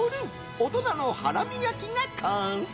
大人のハラミ焼きが完成。